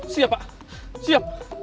siap pak siap